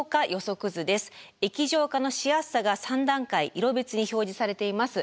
液状化のしやすさが３段階色別に表示されています。